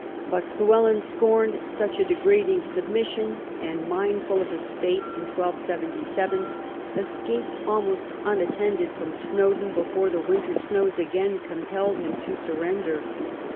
But Llywelyn scorned such a degrading submission, and, mindful of his fate in 1277, escaped almost unattended from Snowdon before the winter snows again compelled him to surrender.